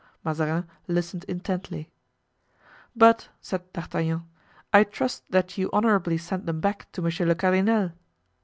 Mazarin listened intently. "But," said D'Artagnan, "I trust that you honorably sent them back to monsieur le cardinal!"